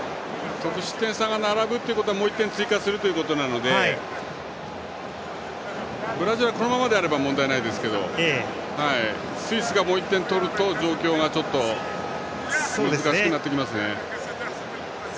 得失点差が並ぶということはもう１点追加することなのでブラジルはこのままであれば問題ないですがスイスがもう１点取ると状況が難しくなりますね。